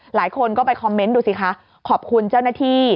หลายคนก็ไปคอมเมนต์ดูสิคะขอบคุณเจ้าหน้าที่